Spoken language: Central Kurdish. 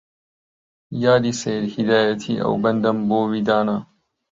یادی سەید هیدایەتی ئەو بەندەم بۆ وی دانا